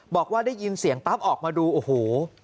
บอกว่าได้ยินเสียงปั๊บออกมาดูโอ้โห